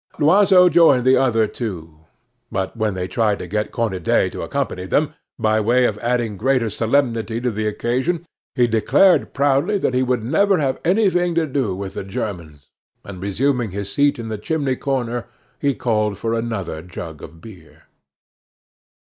Loiseau joined the other two; but when they tried to get Cornudet to accompany them, by way of adding greater solemnity to the occasion, he declared proudly that he would never have anything to do with the Germans, and, resuming his seat in the chimney corner, he called for another jug of beer.